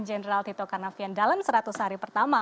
jenderal tito karnavian dalam seratus hari pertama